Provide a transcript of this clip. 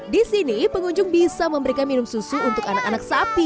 di sini pengunjung bisa memberikan minum susu untuk anak anak sapi